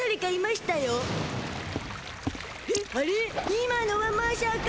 今のはましゃか？